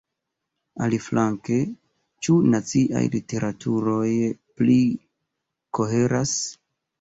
Aliflanke, ĉu naciaj literaturoj pli koheras?